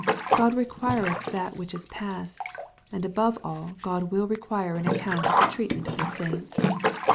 } Grod " req uire th th at which is past, and above all, God will require an account of the treatment of His saints.